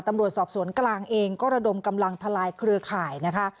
ตำรวจสอบสวนกลางเองก็ระดมกำลังทลายเครือข่ายนะคะ